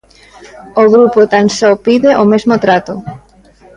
O grupo tan só pide o mesmo trato.